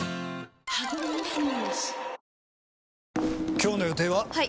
今日の予定は？